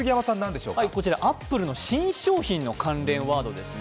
アップルの新商品の関連ワードですね。